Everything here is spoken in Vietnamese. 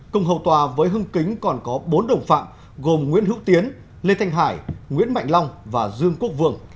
cùng hầu tòa với hưng kính còn có bốn đồng phạm gồm nguyễn hữu tiến lê thanh hải nguyễn mạnh long và dương quốc vương